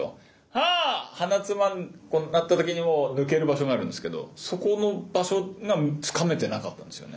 ハ鼻つまんで鳴った時に抜ける場所があるんですけどそこの場所がつかめてなかったんですよね。